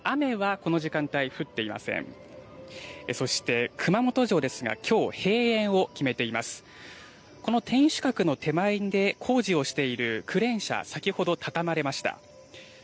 この天守閣の手前で工事をしているクレーン車、先ほど畳まれました。